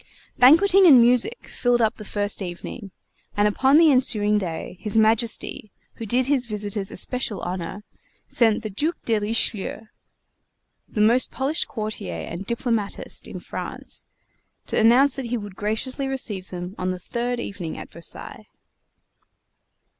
Banqueting and music filled up the first evening; and upon the ensuing day His Majesty, who thus did his visitors especial honor, sent the Duc de Richelieu, the most polished courtier and diplomatist in France, to announce that he would graciously receive them on the third evening at Versailles.